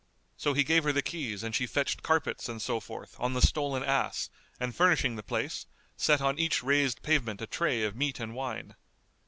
So he gave her the keys and she fetched carpets and so forth on the stolen ass and furnishing the place, set on each raised pavement a tray of meat and wine.